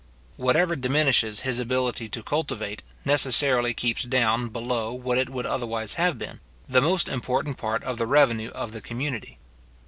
Whatever diminishes his ability to cultivate, necessarily keeps down, below what it would otherwise have been, the most important part of the revenue of the community.